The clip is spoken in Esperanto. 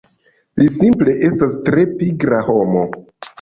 Li simple estas tre pigra homo